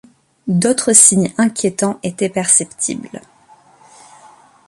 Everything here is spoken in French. D'autres signes inquiétants étaient perceptibles.